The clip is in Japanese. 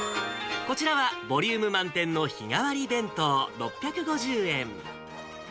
こちらはボリューム満点の日替わり弁当６５０円。